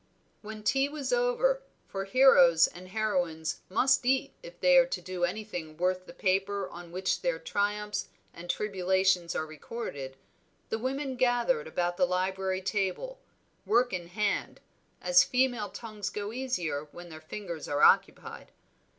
When tea was over, for heroes and heroines must eat if they are to do anything worth the paper on which their triumphs and tribulations are recorded, the women gathered about the library table, work in hand, as female tongues go easier when their fingers are occupied.